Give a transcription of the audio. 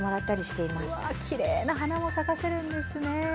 きれいな花も咲かせるんですね。